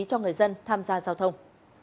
cho người dân tham gia giao thông